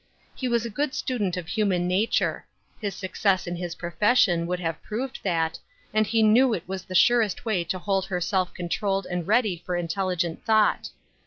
He was a good student of human nature ; his success in his profession would have proved that, and he knew it was the surest way to hold her self controlled and ready for intelligent thought.